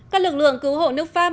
các lực lượng cứu hộ nước pháp